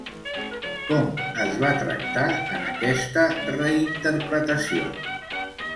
Com es va tractar en aquesta reinterpretació?